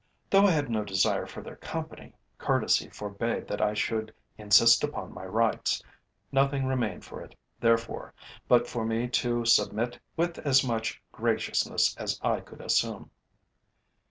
Though I had no desire for their company, courtesy forbade that I should insist upon my rights. Nothing remained for it, therefore, but for me to submit with as much graciousness as I could assume.